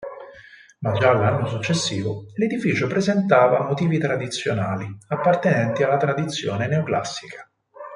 Ma già l'anno successivo l'edificio presentava motivi tradizionali appartenenti alla tradizione neoclassica.